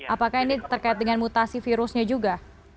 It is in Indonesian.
apakah ini terkait dengan mutasi virusnya juga